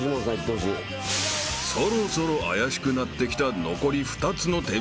［そろそろ怪しくなってきた残り２つの天ぷらは］